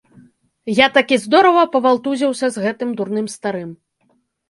Я такі здорава павалтузіўся з гэтым дурным старым.